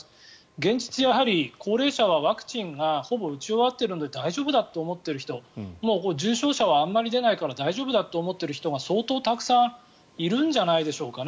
現実、高齢者はワクチンはほぼ打ち終わっているので大丈夫だと思っている人重症者はあまり出ないから大丈夫だって思ってる人が相当たくさんいるんじゃないでしょうかね